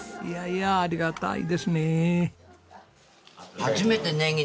いやいやありがたいですね。